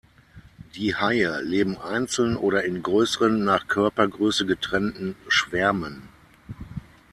Die Haie leben einzeln oder in größeren, nach Körpergröße getrennten Schwärmen.